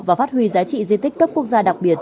và phát huy giá trị di tích cấp quốc gia đặc biệt